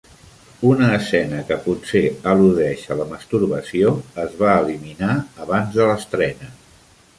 Una escena que potser al·ludeix a la masturbació es va eliminar abans de l'estrena.